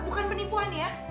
bukan penipuan ya